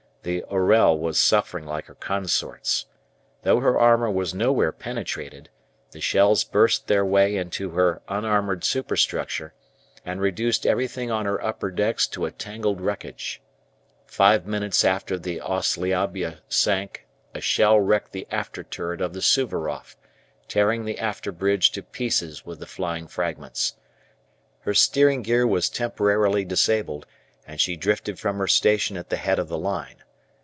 The "Orel" was suffering like her consorts. Though her armour was nowhere penetrated, the shells burst their way into her unarmoured superstructure, and reduced everything on her upper decks to tangled wreckage. Five minutes after the "Ossliabya" sank a shell wrecked the after turret of the "Suvaroff," tearing the after bridge to pieces with the flying fragments. Her steering gear was temporarily disabled, and she drifted from her station at the head of the line.